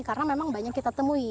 karena memang banyak kita temui